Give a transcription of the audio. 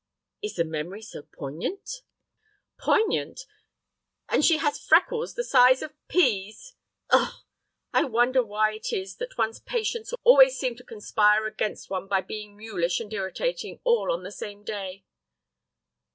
"Is the memory so poignant?" "Poignant! And she has freckles the size of pease. Ugh! I wonder why it is that one's patients always seem to conspire against one by being mulish and irritating all on the same day?"